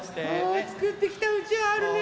あつくってきたうちわあるね。